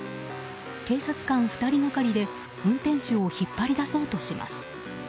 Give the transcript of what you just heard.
警察官２人がかりで運転手を引っ張り出そうとします。